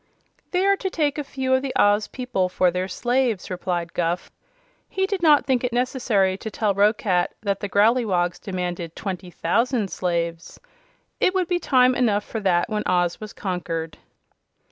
"They are to take a few of the Oz people for their slaves," replied Guph. He did not think it necessary to tell Roquat that the Growleywogs demanded twenty thousand slaves. It would be time enough for that when Oz was conquered.